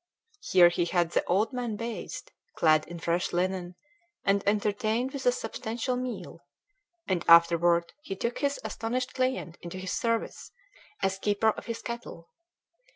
Here he had the old man bathed, clad in fresh linen, and entertained with a substantial meal; and afterward he took his astonished client into his service, as keeper of his cattle.